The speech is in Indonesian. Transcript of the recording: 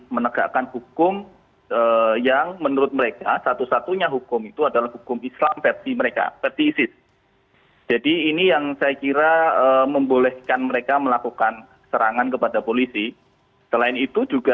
mereka membahasakannya sebagai tahu